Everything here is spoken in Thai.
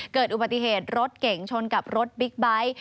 เกิดอุบัติเหตุรถเก่งชนกับรถบิ๊กไบท์